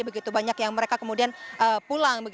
begitu banyak yang mereka kemudian pulang